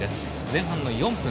前半の４分。